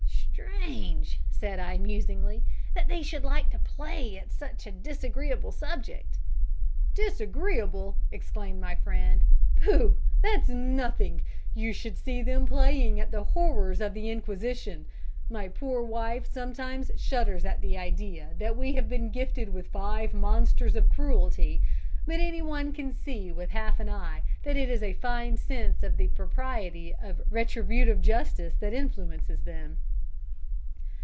"Strange!" said I musingly, "that they should like to play at such a disagreeable subject." "Disagreeable!" exclaimed my friend, "pooh! that's nothing. You should see them playing at the horrors of the Inquisition. My poor wife sometimes shudders at the idea that we have been gifted with five monsters of cruelty, but any one can see with half an eye that it is a fine sense of the propriety of retributive justice that influences them."